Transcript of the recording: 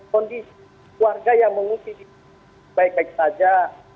kondisi warga yang mengungsi baik baik saja